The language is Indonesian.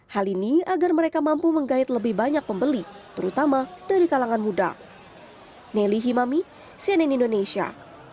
hal ini agar mereka mampu menggait lebih banyak pembeli terutama dari kalangan muda